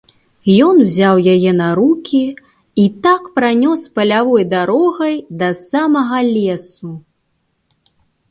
Ён узяў яе на рукі і так пранёс палявой дарогай да самага лесу.